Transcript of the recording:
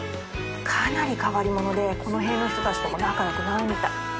かなり変わり者でこの辺の人たちとも仲良くないみたい。